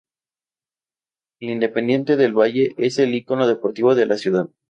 El Independiente del Valle es el ícono deportivo de la ciudad.